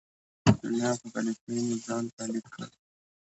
دنیا په پلیتۍ مې ځان پلیت کړ.